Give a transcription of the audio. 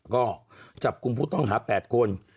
ก็จับกลุ่มผู้ต้องหา๘คน